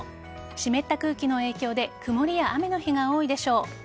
湿った空気の影響で曇りや雨の日が多いでしょう。